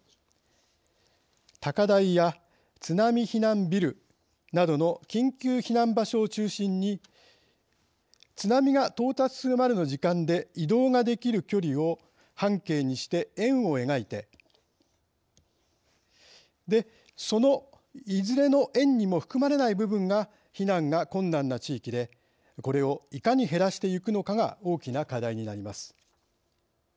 高台や津波避難ビルなどの緊急避難場所を中心に津波が到達するまでの時間で移動ができる距離を半径にして円を描いてそのいずれの円にも含まれない部分が避難が困難な地域でこれをいかに減らしていくのかが大きな課題になります。